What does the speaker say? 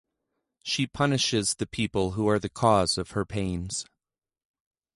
She punishes the people who are the cause of her pains.